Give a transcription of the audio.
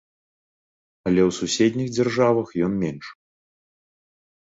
Але ў суседніх дзяржавах ён менш.